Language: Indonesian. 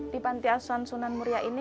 di pantai aswan sunan muria ini